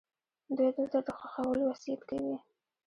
دوی دلته د ښخولو وصیت کوي.